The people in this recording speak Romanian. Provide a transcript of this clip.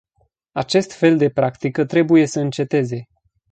Acest fel de practică trebuie să înceteze.